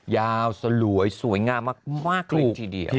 ยาวสลวยสวยงามมากเลยทีเดียว